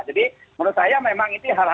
jadi menurut saya memang itu hal hal